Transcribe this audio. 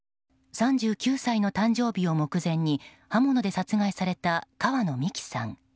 ３９歳の誕生日を目前に刃物で殺害された川野美樹さん。